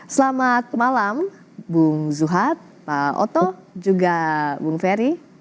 selamat malam bung zuhad pak oto juga bung ferry